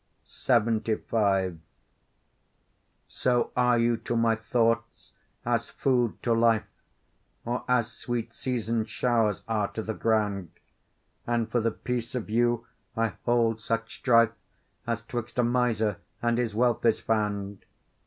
LXXV So are you to my thoughts as food to life, Or as sweet season'd showers are to the ground; And for the peace of you I hold such strife As 'twixt a miser and his wealth is found.